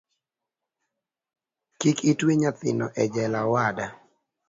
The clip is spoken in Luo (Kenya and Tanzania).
Kik itwe nyanyino ejela owada